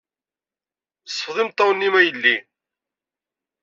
Sfeḍ imeṭṭawen-nnem, a yelli.